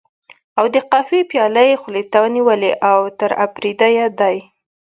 او د قهوې پياله یې خولې ته نیولې، اوتر اپرېدی دی.